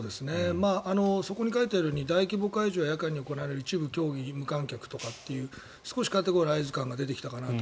そこに書いてあるように大規模会場や夜間で行われる一部競技は無観客とかっていう少しカテゴライズ感が出てきたかなと。